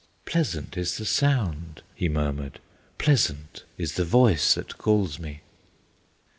"Pleasant is the sound!" he murmured, "Pleasant is the voice that calls me!"